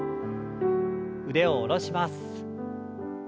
腕を下ろします。